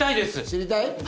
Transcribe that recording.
知りたい？